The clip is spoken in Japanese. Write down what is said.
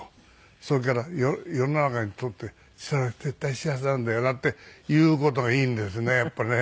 それから「世の中にとってそれは絶対幸せなんだよな」っていう事がいいんですねやっぱりね。